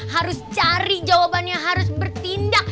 harus cari jawabannya harus bertindak